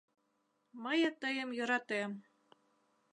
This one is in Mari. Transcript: Мые тыйым йӧратем